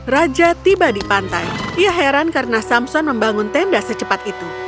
raja tiba di pantai ia heran karena samson membangun tenda secepat itu